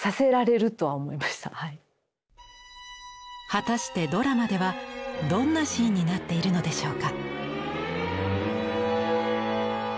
果たしてドラマではどんなシーンになっているのでしょうか？